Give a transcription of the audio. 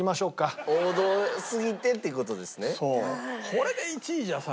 これで１位じゃさ。